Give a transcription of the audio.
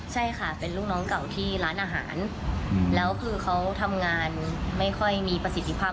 ใช่ค่ะเป็นลูกน้องเก่าที่ร้านอาหารแล้วคือเขาทำงานไม่ค่อยมีประสิทธิภาพ